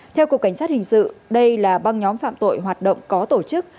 theo cục cảnh sát hình sự đây là băng nhóm phạm tội hoạt động có tổ chức